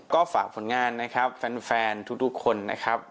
ก็ฝากผลงานนะครับแฟนทุกคนนะครับ